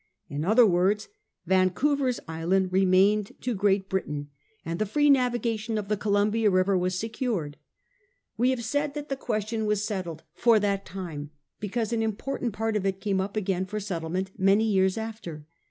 In other words, Van couver's Island remained to Great Britain, and the VOL. i. Y 322 A HISTORY OF OUR OWN TIMES. cn. xm. free navigation of the Columbia River was secured. We have said that the question was settled, ' for that time' ; because an important part of it came up agam* for settlement many years after.